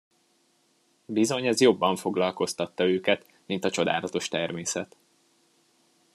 Bizony, ez jobban foglalkoztatta őket, mint a csodálatos természet.